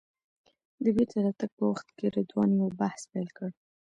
د بېرته راتګ په وخت رضوان یو بحث پیل کړ.